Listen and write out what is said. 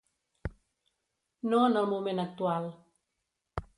No en el moment actual.